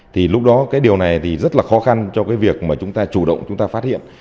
thì lúc đó cái điều này thì rất là khó khăn cho cái việc mà chúng ta chủ động chúng ta phát hiện